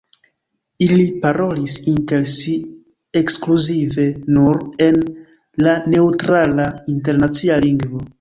Ili parolis inter si ekskluzive nur en la neŭtrala internacia lingvo.